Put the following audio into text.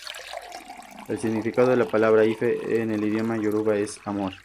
El significado de la palabra "ife" en el idioma yoruba es ‘amor’.